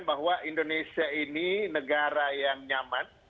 bahwa indonesia ini negara yang nyaman